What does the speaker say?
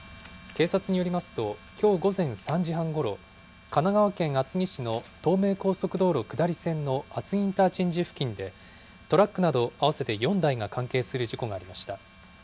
警察によりますと、きょう午前３時半ごろ、神奈川県厚木市の東名高速道路下り線の厚木インターチェンジ付近で、トラックなど合わせて４台が関係する事故がありました。